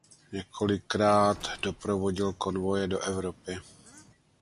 Několikrát doprovodil konvoje do Evropy.